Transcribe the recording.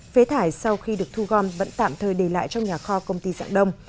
phế thải sau khi được thu gom vẫn tạm thời để lại trong nhà kho công ty dạng đông